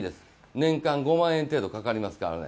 年間５万円程度かかりますから。